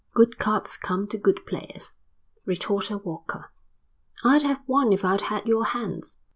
"Good cards come to good players," retorted Walker. "I'd have won if I'd had your hands."